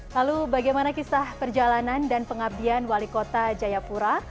lalu bagaimana kisah perjalanan dan pengabdian wali kota jayapura